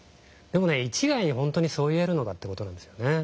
でも一概に本当にそう言えるのかという事なんですよね。